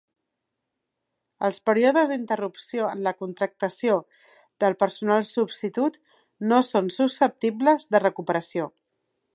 Els períodes d'interrupció en la contractació del personal substitut no són susceptibles de recuperació.